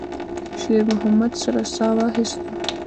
شېرمحمد سړه ساه واخيسته.